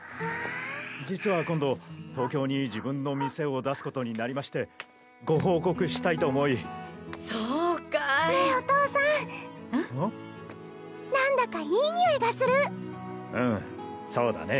実は今度東京に自分の店を出すことになりましてご報告したいと思いそうかいねえお父さんなんだかいい匂いがするうんそうだね。